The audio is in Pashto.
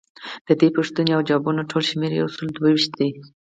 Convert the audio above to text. ددې پوښتنو او ځوابونو ټول شمیر یوسلو دوه ویشت دی.